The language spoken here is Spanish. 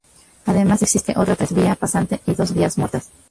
Además, existe otra tres vía pasante y dos vías muertas.